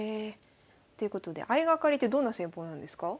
ということで相掛かりってどんな戦法なんですか？